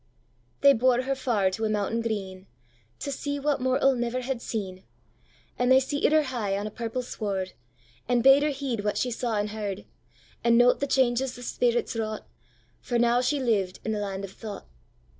They bore her far to a mountain green, To see what mortal never had seen; And they seated her high on a purple sward, And bade her heed what she saw and heard, And note the changes the spirits wrought, For now she lived in the land of thought.